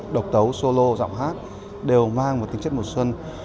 độc tấu solo giọng hát đều mang một tính chất mùa xuân